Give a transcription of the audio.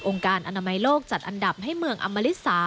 การอนามัยโลกจัดอันดับให้เมืองอมริสา